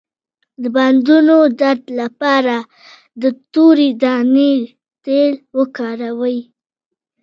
د بندونو درد لپاره د تورې دانې تېل وکاروئ